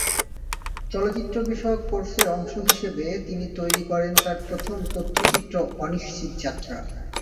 চলচ্চিত্রবিষয়ক কোর্সের অংশ হিসেবে তিনি তৈরি করেন তাঁর প্রথম তথ্যচিত্র অনিশ্চিত যাত্রা।